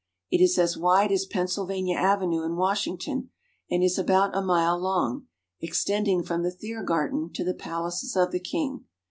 It is as wide as Pennsylvania Avenue in Washington, and is about a mile long, extending from the Thiergarten to the palaces of the king.